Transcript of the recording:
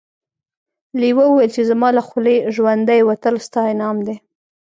لیوه وویل چې زما له خولې ژوندی وتل ستا انعام دی.